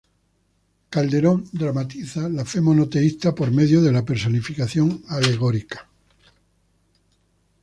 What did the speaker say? Calderón dramatiza la fe monoteísta por medio de la personificación alegórica.